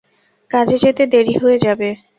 কাজে যেতে দেরি হয়ে যাবে।